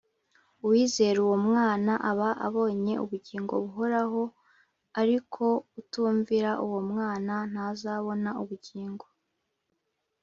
“uwizera uwo mwana aba abonye ubugingo buhoraho, ariko utumvira uwo mwana ntazabona ubugingo